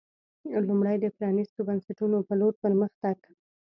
لومړی د پرانېستو بنسټونو په لور پر مخ تګ